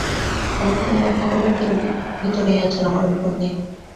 আমাকে যিনি রক্ষা করবেন তিনি ভিতরেই আছেন, আমার বিপদ নেই।